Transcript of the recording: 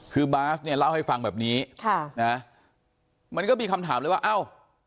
คือบาสเนี่ยเล่าให้ฟังแบบนี้ค่ะนะมันก็มีคำถามเลยว่าเอ้า